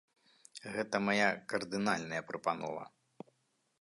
Гэта мая кардынальная прапанова.